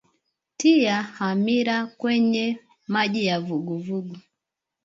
Tia hamira kwenye maji ya uvuguvugu